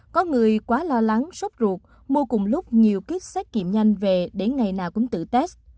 có người quá lo lắng sốc ruột mua cùng lúc nhiều kiếp xét nghiệm nhanh về đến ngày nào cũng tự test